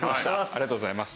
ありがとうございます。